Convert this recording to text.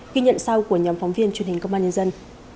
ghi nhận sau của nhóm phóng viên truyền hình công an nhân dân